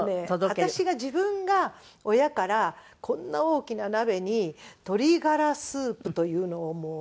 私が自分が親からこんな大きな鍋に鶏がらスープというのを作って。